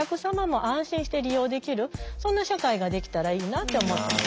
そんな社会ができたらいいなって思ってます。